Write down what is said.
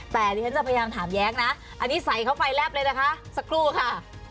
แต่ดิฉันจะพยายามถามแย้งนะอันนี้ใส่เข้าไปแลบเลยนะคะสักครู่ค่ะ